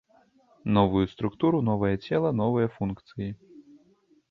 Новую структуру, новае цела, новыя функцыі.